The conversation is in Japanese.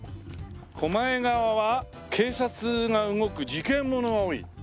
狛江側は警察が動く事件ものが多い。